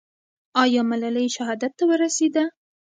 آیا ملالۍ شهادت ته ورسېده؟